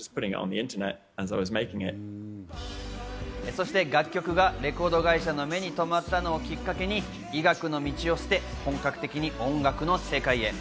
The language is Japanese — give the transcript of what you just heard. そして楽曲がレコード会社の目に止まったのをきっかけに医学の道を捨て、本格的に音楽の世界へ。